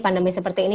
pandemi seperti ini